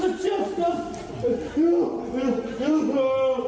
น้ำล่ะ